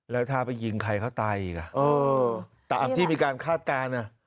แล้วถ้าไปยิงใครเขาตายอีกอ่ะแต่อัพที่มีการคาดการณ์น่ะ